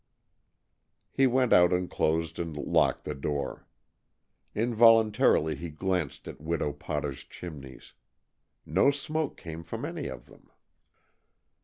He went out and closed and locked the door. Involuntarily he glanced at Widow Potter's chimneys. No smoke came from any of them.